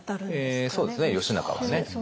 そうですね義央はね。